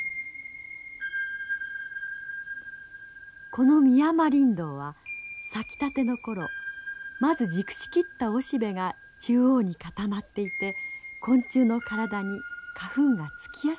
このミヤマリンドウは咲きたての頃まず熟し切ったオシベが中央に固まっていて昆虫の体に花粉がつきやすくなっています。